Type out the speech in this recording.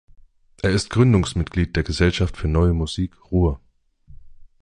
Er ist Gründungsmitglied der "Gesellschaft für Neue Musik Ruhr".